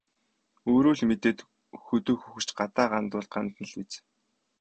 Өөрөө л мэдээд хөдөө хөхөрч, гадаа гандвал гандана л биз.